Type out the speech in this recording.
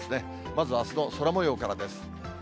まずあすの空もようからです。